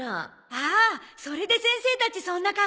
ああそれで先生たちそんな格好。